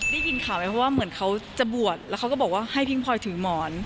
ได้ยินข่าวไหมเพราะว่าเหมือนเขาจะบวชแล้วเขาก็บอกว่าให้พิงพลอยถือหมอน